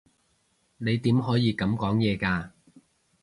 你點可以噉講嘢㗎？